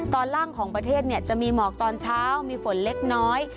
ตอนล่างของประเทศจะมีหมอกตอนเช้ามีฝนเล็กน้อย